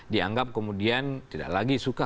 dianggap kemudian tidak lagi suka